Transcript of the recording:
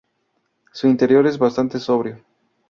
Su interior es bastante sobrio.